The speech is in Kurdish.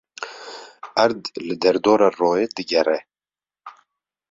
Erd li derdora royê digere.